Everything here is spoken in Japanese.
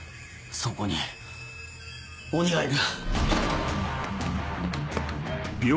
そこに鬼がいる。